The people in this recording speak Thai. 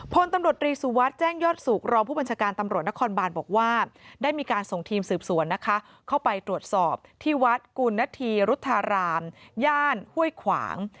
พลตำรวจรีสุวัสดิ์แจ้งยอดสุขรองผู้บัญชาการตำรวจนครบานบอกว่าได้มีการส่งทีมสืบสวนนะคะเข้าไปตรวจสอบที่วัดกุณฑีรุธารามย่านห้วยขวาง